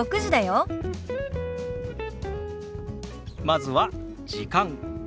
まずは「時間」。